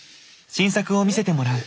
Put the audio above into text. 新作を見せてもらう。